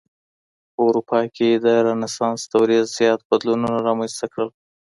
په اروپا کي د رنسانس دورې زيات بدلونونه رامنځته کړل.